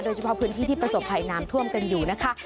โดยเฉพาะพื้นที่ที่ประสบภัยน้ำท่วมกันอยู่นะคะ